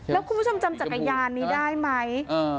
แล้วคุณผู้ชมจำจักรยานนี้ได้ไหม